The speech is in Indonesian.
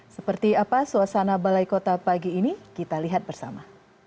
seperti apa suasana balai kota pagi ini kita lihat bersama